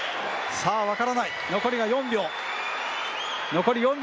さあ、分からない、残りが４秒。